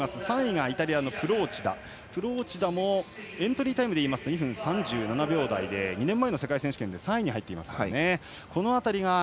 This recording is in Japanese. ３位イタリアのプローチダもエントリータイムで言うと２分３７秒台で２年前の世界選手権で３位に入っています。